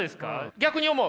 逆に思う？